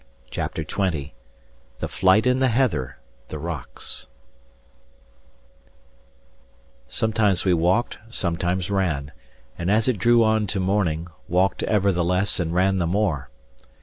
CHAPTER XX THE FLIGHT IN THE HEATHER: THE ROCKS Sometimes we walked, sometimes ran; and as it drew on to morning, walked ever the less and ran the more.